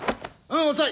遅い！